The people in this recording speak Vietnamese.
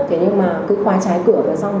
thế nhưng mà cứ khóa trái cửa và xong